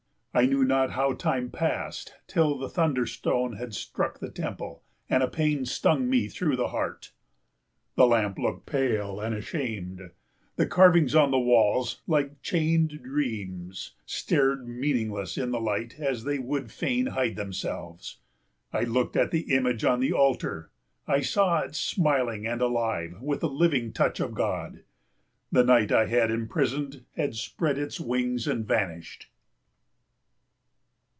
I knew not how time passed till the thunderstone had struck the temple, and a pain stung me through the heart. The lamp looked pale and ashamed; the carvings on the walls, like chained dreams, stared meaningless in the light as they would fain hide themselves. I looked at the image on the altar. I saw it smiling and alive with the living touch of God. The night I had imprisoned had spread its wings and vanished.